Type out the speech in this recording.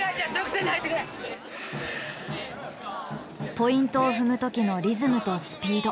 ポイントを踏む時のリズムとスピード。